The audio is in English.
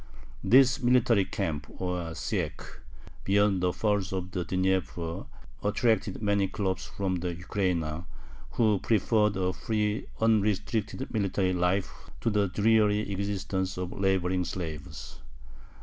This military camp, or syech, beyond the Falls of the Dnieper attracted many khlops from the Ukraina, who preferred a free, unrestricted military life to the dreary existence of laboring slaves.